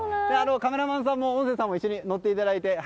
カメラマンさんも音声さんも一緒に乗っていただいて。